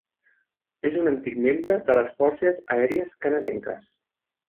És un antic membre de les forces aèries canadenques.